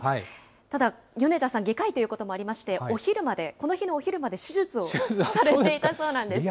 ただ、米田さん、外科医ということもありまして、お昼まで、この日のお昼まで手術をされていたそうなんです。